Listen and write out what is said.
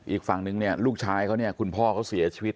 อีกฝั่งนึงเนี่ยลูกชายเขาเนี่ยคุณพ่อเขาเสียชีวิต